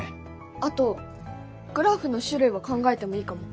あとグラフの種類を考えてもいいかも。